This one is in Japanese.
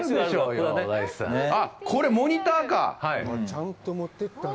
あっ、これ、モニターか！